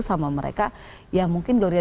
sama mereka ya mungkin gloria